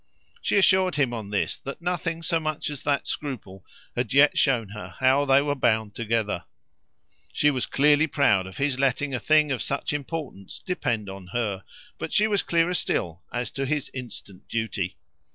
She assured him on this that nothing so much as that scruple had yet shown her how they were bound together: she was clearly proud of his letting a thing of such importance depend on her, but she was clearer still as to his instant duty.